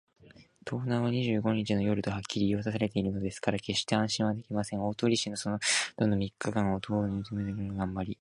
盗難は二十五日の夜とはっきり言いわたされているのですから、けっして安心はできません。大鳥氏はそのあとの三日間を、塔のうずめてある部屋にがんばりつづけ